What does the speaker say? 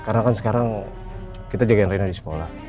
karena kan sekarang kita jagain reina di sekolah